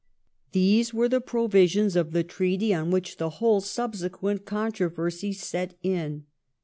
These were the provisions of the treaty on which the whole subsequent controversy set in.